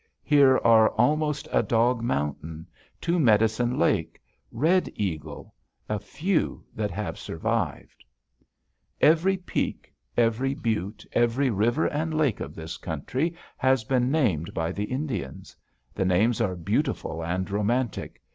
Here are Almost a Dog Mountain, Two Medicine Lake, Red Eagle a few that have survived. [Illustration: UPPER TWO MEDICINE LAKE] Every peak, every butte, every river and lake of this country has been named by the Indians. The names are beautiful and romantic.